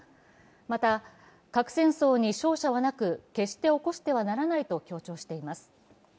また核戦争に勝者はなく決して起こしてはならないと強調しています。